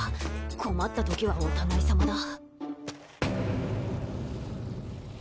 困った時はお互いさまだ。